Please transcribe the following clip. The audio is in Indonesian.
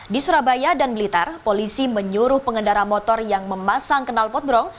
di surabaya dan blitar polisi menyuruh pengendara motor yang memasang kenal potbrong